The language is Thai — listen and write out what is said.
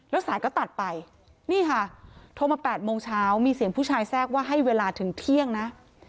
แล้วสายก็ตัดไปนี่ค่ะโทรมา๘โมงเช้ามีเสียงผู้ชายแทรกว่าให้เวลาถึงเที่ยงนะ